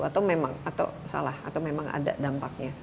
atau memang ada dampaknya